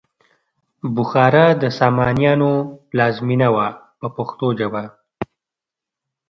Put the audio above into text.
بخارا د سامانیانو پلازمینه وه په پښتو ژبه.